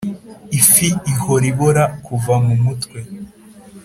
ifi ihora ibora kuva mumutwe